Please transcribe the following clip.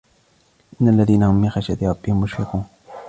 إن الذين هم من خشية ربهم مشفقون